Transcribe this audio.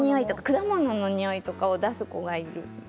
果物のにおいを出す子がいる。